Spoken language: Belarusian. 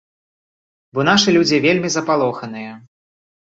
Бо нашы людзі вельмі запалоханыя.